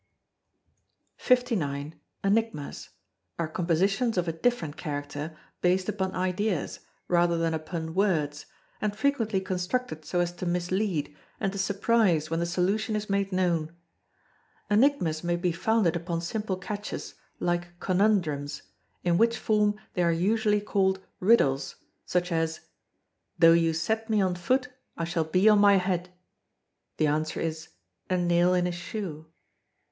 ] 59. Enigmas are compositions of a different character, based upon ideas, rather than upon words, and frequently constructed so as to mislead, and to surprise when the solution is made known. Enigmas may be founded upon simple catches, like Conundrums, in which form they are usually called RIDDLES, such as: "Though you set me on foot, I shall be on my head." The answer is, A nail in a shoe.